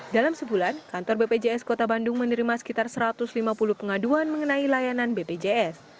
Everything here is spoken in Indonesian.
dalam sebulan kantor bpjs kota bandung menerima sekitar satu ratus lima puluh pengaduan mengenai layanan bpjs